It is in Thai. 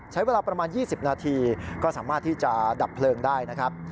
ใช้เวลาประมาณ๒๐นาทีก็สามารถที่จะดับเพลิงได้นะครับ